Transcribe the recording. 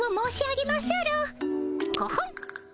コホン！